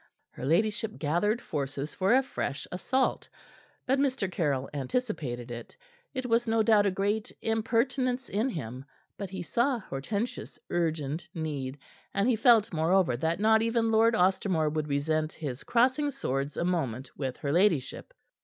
Her ladyship gathered forces for a fresh assault. But Mr. Caryll anticipated it. It was no doubt a great impertinence in him; but he saw Hortensia's urgent need, and he felt, moreover, that not even Lord Ostermore would resent his crossing swords a moment with her ladyship.